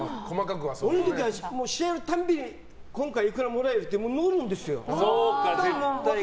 俺の時は試合のたびに今回いくらもらえるって載るんですよ。